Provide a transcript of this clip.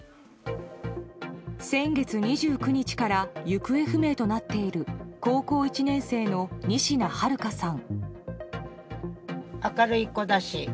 先月２９日から行方不明となっている高校１年生の仁科日花さん。